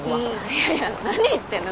いやいや何言ってんの。